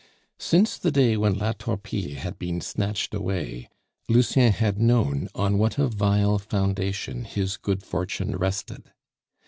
Since the day when La Torpille had been snatched away, Lucien had known on what a vile foundation his good fortune rested.